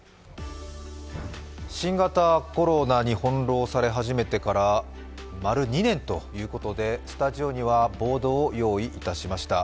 新型コロナに翻弄され始めてから丸２年ということで、スタジオにはボードを用意いたしました。